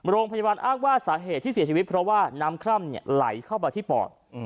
โรงพยาบาลอ้างว่าสาเหตุที่เสียชีวิตเพราะว่าน้ำคร่ำไหลเข้ามาที่ปอด